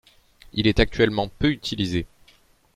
Il est actuellement peu utilisé.